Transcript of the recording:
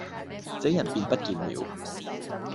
這人便不見了。